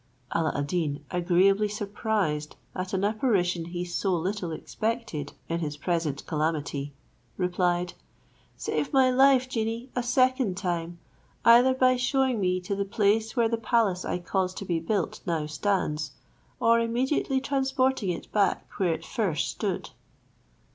Alla ad Deen, agreeably surprised at an apparition he so little expected in his present calamity, replied, "Save my life, genie, a second time, either by shewing me to the place where the palace I caused to be built now stands, or immediately transporting it back where it first stood."